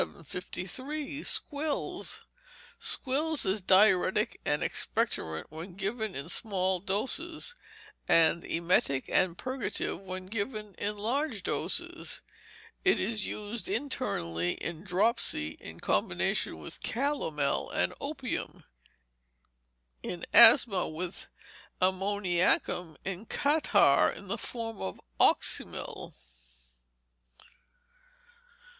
753. Squills Squills is diuretic and expectorant when given in small doses; and emetic and purgative when given in large doses. It is used internally in dropsy, in combination with calomel and opium; in asthma, with ammoniacum; in catarrh, in the form of oxymel.